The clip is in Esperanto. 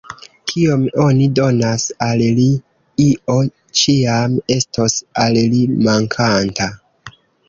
Kiom oni donas al li, io ĉiam estos al li “mankanta”.